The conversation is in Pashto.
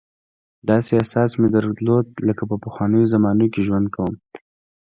داسې احساس مې درلود لکه په پخوانیو زمانو کې ژوند کوم.